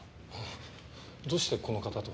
どうしてこの方と？